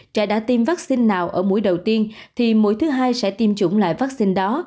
trẻ đã tiêm vaccine nào ở mũi đầu tiên thì mũi thứ hai sẽ tiêm chủng loại vaccine đó